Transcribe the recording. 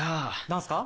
何ですか？